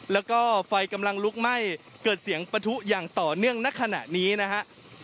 แล้วก็ไฟกำลังลุกไหม้เกิดเสียงปะทุอย่างต่อเนื่องณขณะนี้นะฮะ